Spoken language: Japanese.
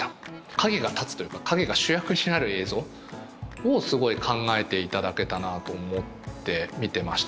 影が立つというか影が主役になる映像をすごい考えていただけたなと思って見てました。